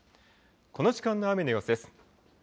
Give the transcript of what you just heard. この時間の雨の様子です。